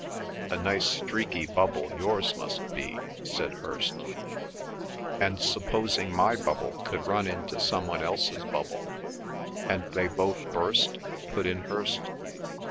"A nice streaky bubble yours must be!" said Hirst. "And supposing my bubble could run into some one else's bubble—" "And they both burst?" put in Hirst.